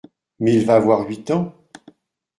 Mais il va avoir huit ans…